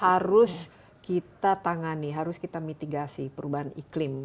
harus kita tangani harus kita mitigasi perubahan iklim